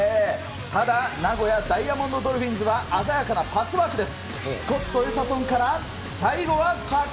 ただ名古屋ダイヤモンドドルフィンズは鮮やかなパスワークです。